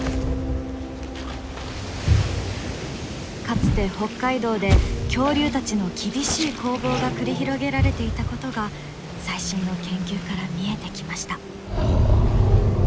かつて北海道で恐竜たちの厳しい攻防が繰り広げられていたことが最新の研究から見えてきました。